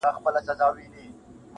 چي مېږي ته خدای په قار سي وزر ورکړي.!